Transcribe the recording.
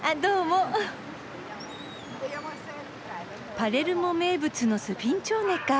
パレルモ名物のスフィンチョーネか。